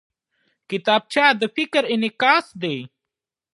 کتابچه د فکر انعکاس دی